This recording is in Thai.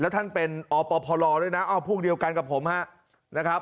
ท่านเป็นอปพลด้วยนะพวกเดียวกันกับผมนะครับ